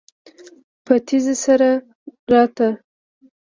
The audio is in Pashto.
په تيزی سره راته.